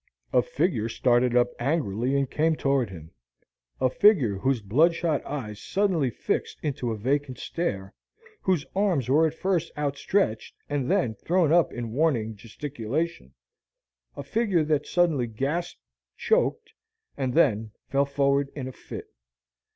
A figure started up angrily and came toward him, a figure whose bloodshot eyes suddenly fixed into a vacant stare, whose arms were at first outstretched and then thrown up in warning gesticulation, a figure that suddenly gasped, choked, and then fell forward in a fit.